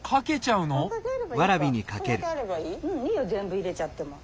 うんいいよ全部入れちゃっても。